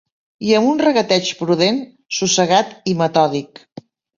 I amb un regateig prudent, sossegat i metòdic